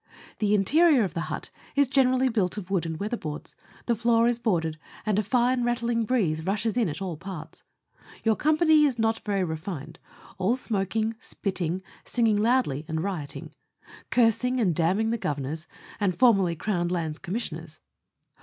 The interior of the hut is gene rally built of wood and weatherboards; the floor is boarded, and a fine rattling breeze rushes in at all parts. Your company is not very refined all smoking, spitting, singing loudly, and rioting ; cursing and damning Governors, and formerly Crown Lands Com missioners.